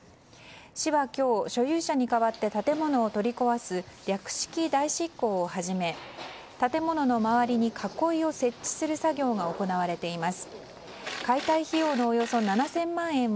市は今日、所有者に代わって建物を取り壊す略式代執行を始め建物の周りに囲いを設置する作業が行われています。